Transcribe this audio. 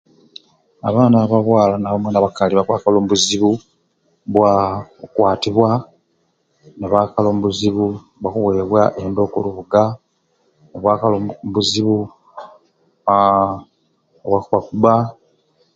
Abaana ba bwala amwei nabakali bakwakala ombuzibu bwa okwatibwa, nibakala ombuzibu obwakuwebwa enda okulubuga, mbakala obuzibu obwa aahh kubakubba.